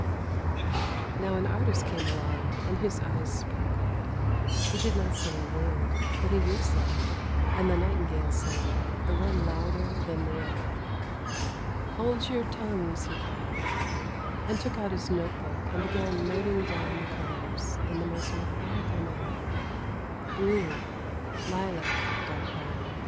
Now an artist came along and his eyes sparkled, he did not say a word, but he whistled and the nightingales sang, the one louder than the other. ' Hold your tongues,' he cried, and took out his note book and began noting down the colours in the most methodical manner, ' Blue, lilac, dark brown.